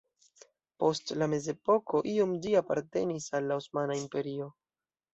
Post la mezepoko iom ĝi apartenis al la Osmana Imperio.